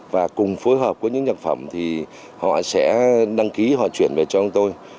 và cùng phối hợp của những nhạc phẩm thì họ sẽ đăng ký họ chuyển về cho chúng tôi